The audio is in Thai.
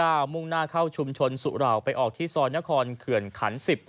ในซอยศูกษวรรษ๓๙มุ่งหน้าเข้าชุมชนสุราวไปออกที่ซอยนครเขื่อนขัน๑๐